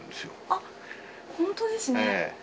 あっ、本当ですね。